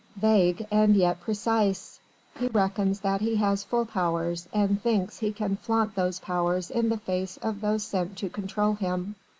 Vague and yet precise! He reckons that he has full powers and thinks he can flaunt those powers in the face of those sent to control him.